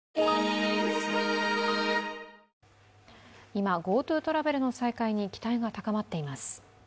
今、ＧｏＴｏトラベルの再開に期待が高まっています。